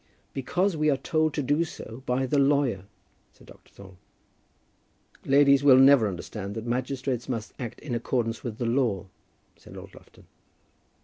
"Because we were told to do so by the lawyer," said Dr. Thorne. "Ladies will never understand that magistrates must act in accordance with the law," said Lord Lufton.